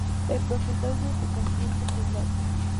Es profesor de educación secundaria.